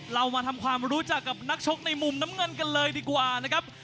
เรามาทำความรู้จักกับนักชกในมุมน้ำเงินกันเลยดีกว่านะครับ